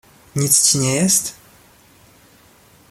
"nic ci nie jest?"